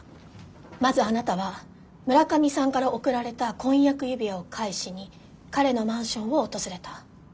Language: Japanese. まずあなたは村上さんから贈られた婚約指輪を返しに彼のマンションを訪れた。